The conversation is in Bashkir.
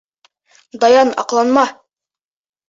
Даян, аҡланма.